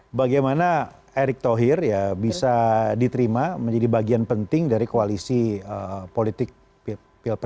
bagaimana erick thohir ya bisa diterima menjadi bagian penting dari koalisi politik pilpres